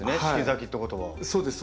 そうです